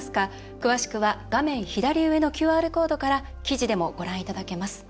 詳しくは画面左上のＱＲコードから記事でもご覧いただけます。